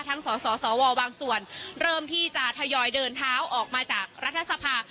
สสวบางส่วนเริ่มที่จะทยอยเดินเท้าออกมาจากรัฐสภา